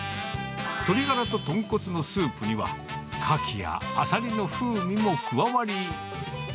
鶏ガラと豚骨のスープには、カキやアサリの風味も加わり。